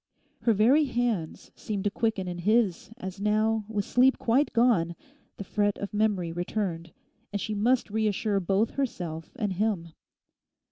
Her very hands seemed to quicken in his as now, with sleep quite gone, the fret of memory returned, and she must reassure both herself and him.